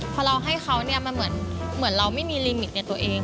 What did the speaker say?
พอเราให้เขาเนี่ยมันเหมือนเราไม่มีลิมิตในตัวเอง